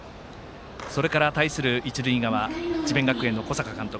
それから対する一塁側智弁学園の小坂監督。